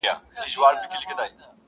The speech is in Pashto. جهاني زه هم لکه شمع سوځېدل مي زده دي-